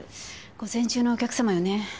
午前中のお客さまよね。